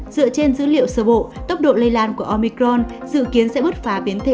dựa trên dữ liệu sơ bộ tốc độ lây lan của omicron dự kiến sẽ bứt phá biến thể